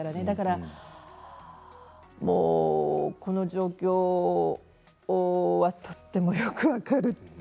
だからこの状況はとてもよく分かる。